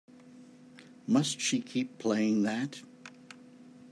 Must she keep playing that?